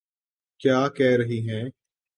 کیا کہہ رہی ہیں۔